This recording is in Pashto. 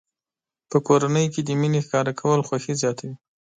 په کورنۍ کې د مینې ښکاره کول خوښي زیاتوي.